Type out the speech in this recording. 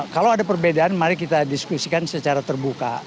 kalau ada perbedaan mari kita diskusikan secara terbuka